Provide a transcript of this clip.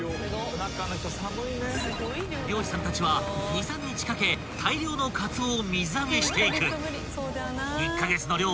［漁師さんたちは２３日かけ大漁のかつおを水揚げしていく］